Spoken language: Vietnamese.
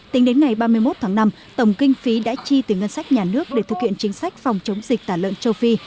tính đến ngày ba mươi một tháng năm tổng kinh phí đã chi từ ngân sách nhà nước để thực hiện chính sách phòng chống dịch tả lợn châu phi